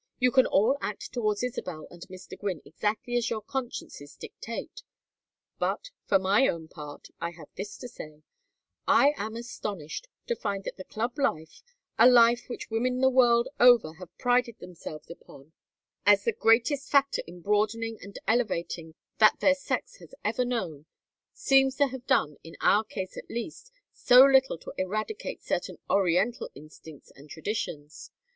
You can all act towards Isabel and Mr. Gwynne exactly as your consciences dictate, but for my own part, I have this to say: I am astonished to find that the Club life, a life which women the world over have prided themselves upon as the greatest factor in broadening and elevating that their sex has ever known, seems to have done, in our case at least, so little to eradicate certain Oriental instincts and traditions.